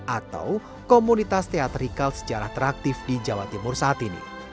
atau komunitas teatrikal sejarah teraktif di jawa timur saat ini